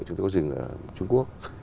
chúng tôi có dừng ở trung quốc